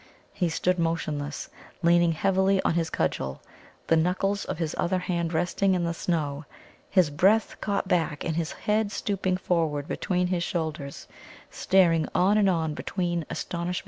He stood motionless, leaning heavily on his cudgel, the knuckles of his other hand resting in the snow, his breath caught back, and his head stooping forward between his shoulders, staring on and on between astonishment and fear.